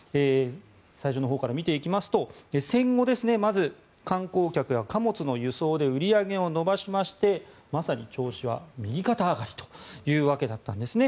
最初のほうから見ますと戦後、まず観光客や貨物の輸送で売り上げを伸ばしましてまさに調子は右肩上がりだったんですね。